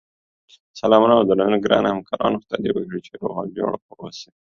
سلامونه اودرنښت ګراونوهمکارانو خدای دی وکړی چی روغ اوجوړبه اووسی